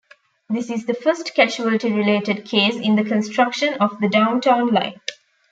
This is the first casualty related case in the construction of the Downtown Line.